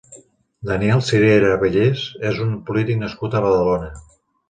Daniel Sirera Bellés és un polític nascut a Badalona.